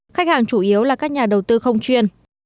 khách hàng chủ yếu là các nhà đầu tư không chuyên